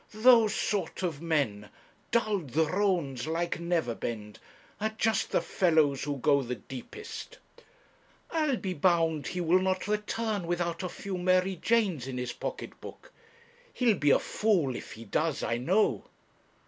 Those sort of men, dull drones like Neverbend, are just the fellows who go the deepest. I'll be bound he will not return without a few Mary Janes in his pocket book. He'll be a fool if he does, I know.'